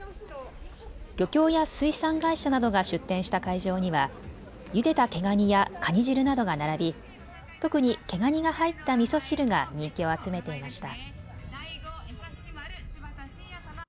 漁協や水産会社などが出店した会場にはゆでた毛がにやかに汁などが並び特に毛がにが入ったみそ汁が人気を集めていました。